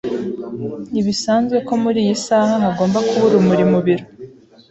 Ntibisanzwe ko muri iyi saha hagomba kuba urumuri mu biro.